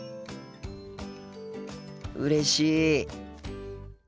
うれしい。